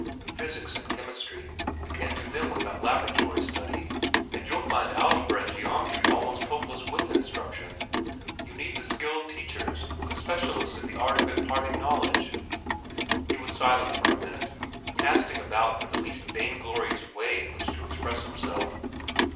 "Physics and chemistry—you can't do them without laboratory study; and you'll find algebra and geometry almost hopeless without instruction. You need the skilled teachers, the specialists in the art of imparting knowledge." He was silent for a minute, casting about for the least vainglorious way in which to express himself.